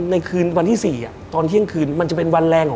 รุ่นที่ที่๔วันเที่ยงคืน